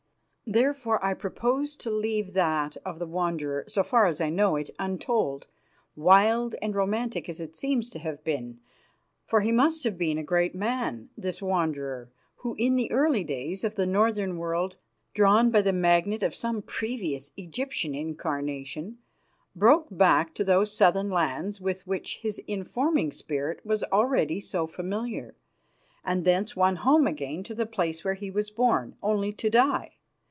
Therefore, I propose to leave that of the Wanderer, so far as I know it, untold, wild and romantic as it seems to have been. For he must have been a great man, this Wanderer, who in the early ages of the northern world, drawn by the magnet of some previous Egyptian incarnation, broke back to those southern lands with which his informing spirit was already so familiar, and thence won home again to the place where he was born, only to die.